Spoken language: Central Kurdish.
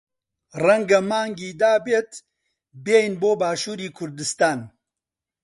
ڕەنگە مانگی دابێت بێین بۆ باشووری کوردستان.